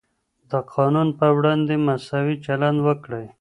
د قانون په وړاندې مساوي چلند وکړئ.